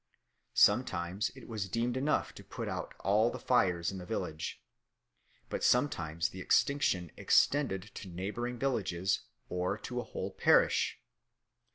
Sometimes it was deemed enough to put out all the fires in the village; but sometimes the extinction extended to neighbouring villages or to a whole parish.